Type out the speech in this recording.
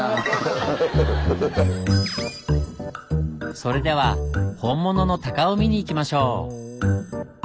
それでは本物の鷹を見に行きましょう。